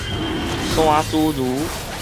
山茱萸